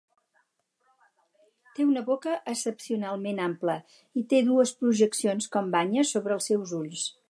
Té una boca excepcionalment ampla, i té dues projeccions com banyes sobre els seus ulls.